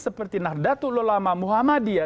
seperti nahdlatul ulama muhammadiyah